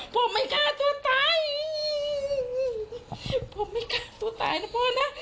ผมไม่ฆ่าตัวตายผมไม่ฆ่าตัวตายนะพ่อนะ